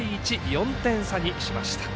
４点差にしました。